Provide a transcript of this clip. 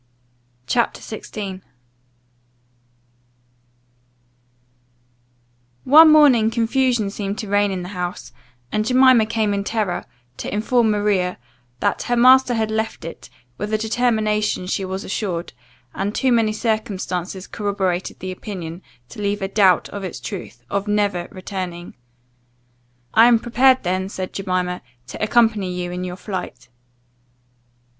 CHAPTER 16 ONE morning confusion seemed to reign in the house, and Jemima came in terror, to inform Maria, "that her master had left it, with a determination, she was assured (and too many circumstances corroborated the opinion, to leave a doubt of its truth) of never returning. I am prepared then," said Jemima, "to accompany you in your flight."